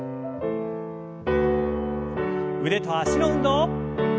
腕と脚の運動。